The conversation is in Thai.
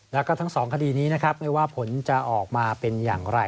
แล้วก็ทั้งสองคดีนี้นะครับไม่ว่าผลจะออกมาเป็นอย่างไร